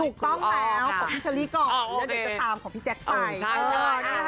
ถูกต้องแล้วของพี่เชอรี่ก่อนแล้วเดี๋ยวจะตามของพี่แจ๊คไป